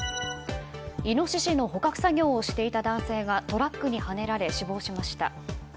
イノシシの捕獲作業をしていた男性がトラックにはねられ死亡しました。